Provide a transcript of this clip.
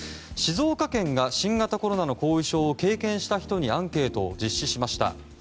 静岡県が新型コロナの後遺症を経験した人にアンケートを実施しました。